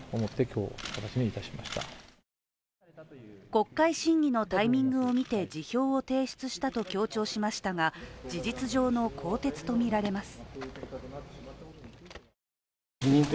国会審議のタイミングを見て辞表を提出したと強調しましたが、事実上の更迭とみられます。